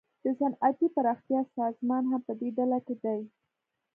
د صنعتي پراختیا سازمان هم پدې ډله کې دی